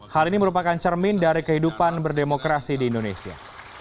hal ini merupakan cermin dari kehidupan berdemokrasi di indonesia